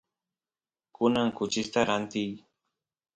kunan kuchista rantiy